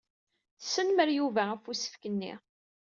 Tesnemmer Yuba ɣef usefk-nni.